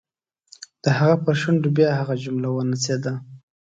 د هغه پر شونډو بیا هغه جمله ونڅېده.